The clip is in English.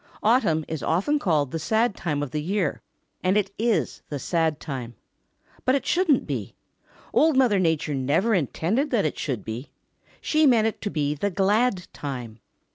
Autumn is often called the sad time of the year, and it is the sad time. But it shouldn't be. Old Mother Nature never intended that it should be. She meant it to be the glad time.